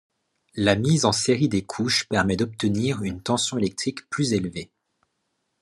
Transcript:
La mise en série des couches permet d'obtenir une tension électrique plus élevée.